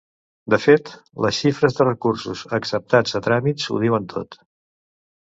De fet, les xifres de recursos acceptats a tràmits ho diuen tot.